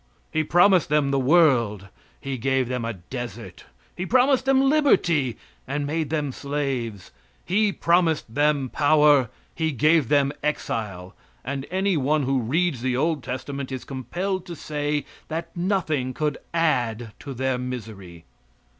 He promised them the world; He gave them a desert. He promised them liberty, and made them slaves. He promised them power; He gave them exile, and any one who reads the old testament is compelled to say that nothing could add to their misery.